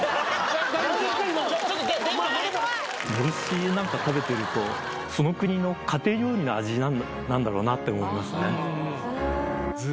大丈夫ですか怖い怖いボルシチなんか食べてるとその国の家庭料理の味なんだろうなって思いますね